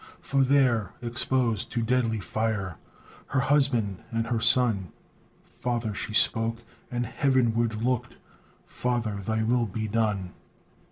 For there, exposed to deadly fire, Her husband and her son "Father," she spoke, and heavenward look'd, "Father, thy will be done."